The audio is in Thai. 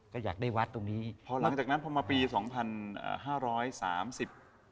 ก็อยากได้วัดตรงนี้พอหลังจากนั้นพอมาปีสองพันอ่าห้าร้อยสามสิบ